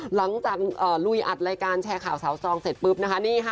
หลังจากลุยอัดรายการแชร์ข่าวสาวซองเสร็จปุ๊บนะคะนี่ค่ะ